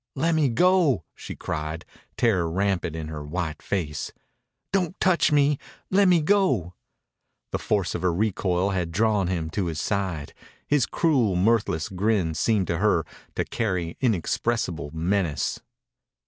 "Let me go!" she cried, terror rampant in her white face. "Don't touch me! Let me go!" The force of her recoil had drawn him to his side. His cruel, mirthless grin seemed to her to carry inexpressible menace.